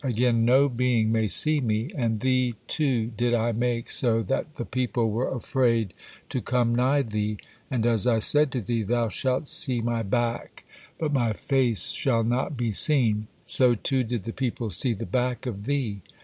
Again, no being may see Me, and thee too did I make so that 'the people were afraid to come nigh thee,' and as I said to thee, 'thou shalt see My back: but My face shall not be seen,' so too did the people see the back of thee.